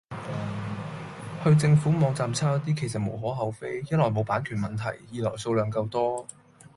去政府網站抄一啲其實無可厚非，一來冇版權問題，二來數量夠多